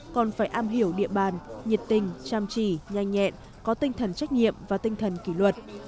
còn phải am hiểu địa bàn nhiệt tình chăm chỉ nhanh nhẹn có tinh thần trách nhiệm và tinh thần kỷ luật